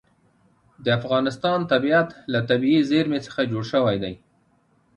د افغانستان طبیعت له طبیعي زیرمې څخه جوړ شوی دی.